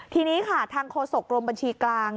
ทีนี้ค่ะทางโฆษกรมบัญชีกลาง